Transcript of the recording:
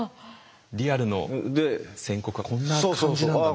リアルの宣告はこんな感じなんだみたいな。